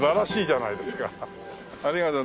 ありがとう。